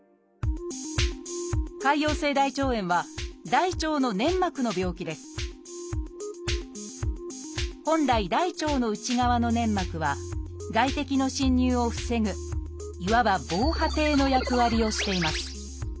「潰瘍性大腸炎」は大腸の粘膜の病気です本来大腸の内側の粘膜は外敵の侵入を防ぐいわば防波堤の役割をしています